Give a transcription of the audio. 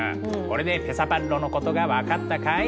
これでペサパッロのことが分かったかい？